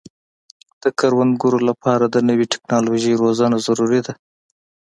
د کروندګرو لپاره د نوې ټکنالوژۍ روزنه ضروري ده.